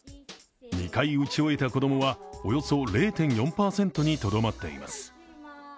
２回打ち終えた子供はおよそ０．４％にとどまっています。